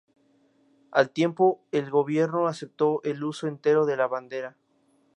Al tiempo, el gobierno aceptó el uso entero de la bandera.